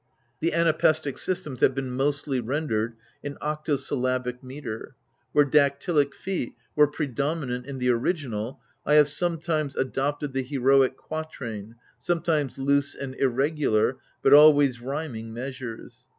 The Anapaestic systems have been mostly rendered in octosyllabic metre ; where dactylic feet were pre dominant in the original, I have sometimes adopted the heroic quatrain, sometimes loose and irregular, but always rhyming, measures.